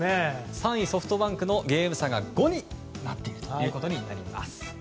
３位、ソフトバンクとのゲーム差が５になっています。